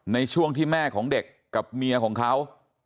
ในช่วงที่แม่ของเด็กกับเมียของเขา